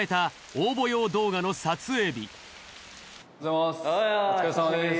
おはようございます。